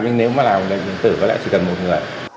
nhưng nếu mà làm lệnh vận tử có lẽ chỉ cần một người